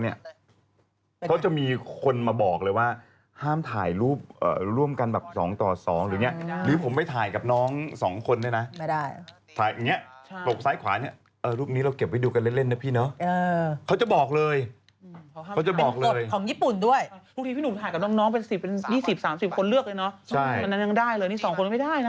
นี่เขาจะมีคนมาบอกเลยว่าห้ามถ่ายรูปร่วมกันแบบสองต่อสองหรือเนี้ยหรือผมไปถ่ายกับน้องสองคนด้วยนะไม่ได้ถ่ายอย่างเงี้ยตกซ้ายขวานี่เออรูปนี้เราเก็บไว้ดูกันเล่นเล่นนะพี่เนอะเออเขาจะบอกเลยเขาจะบอกเลยของญี่ปุ่นด้วยทุกทีพี่หนูถ่ายกับน้องน้องเป็นสิบเป็นยี่สิบสามสิบคนเลือกเลยเนอะใช่แล้วนั้นนั้นได้เลยนี่สองคนไม่ได้